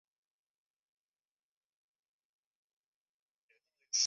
本列表列出的是历史上漫画销量的排行。